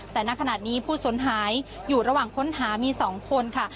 แต่ณขณะนี้ผู้สนหายอยู่ระหว่างค้นหามี๒คนค่ะ